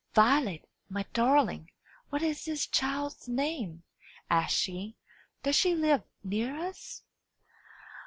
"Violet, my darling, what is this child's name?" asked she. "Does she live near us?"